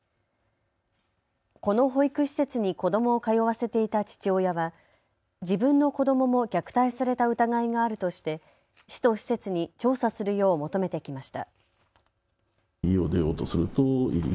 この保育施設に子どもを通わせていた父親は自分の子どもも虐待された疑いがあるとして市と施設に調査するよう求めてきました。